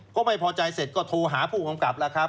ก็ไม่พอใจเสร็จก็โทรหาผู้ของผมกลับละครับ